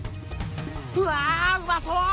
うわあうまそう！